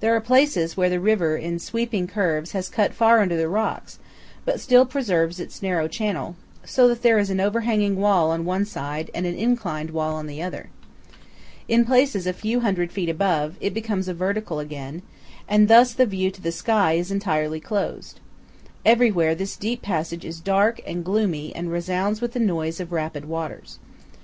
There are places where the river in sweeping by curves has cut far under the rocks, but still preserves its narrow channel, so that there is an overhanging wall on one side and an inclined wall on the other. In places a few hundred feet above, it becomes vertical again, and thus the view to the sky is entirely closed. Everywhere this deep passage is dark and gloomy and resounds with the noise of rapid waters.